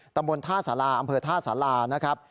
ตำบลท่าสาราอำเภอท่าสารานะครับ